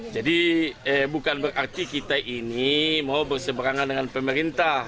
jadi bukan berarti kita ini mau berseberangan dengan pemerintah